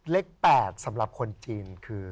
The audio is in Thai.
เลข๘สำหรับคนจีนคือ